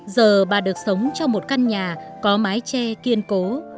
giờ bà được sống trong một căn nhà có mái tre kiên cố